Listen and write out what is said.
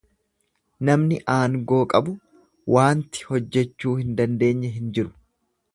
Namni aangoo qabu waanti hojjechuu hin dandeenye hin jiru.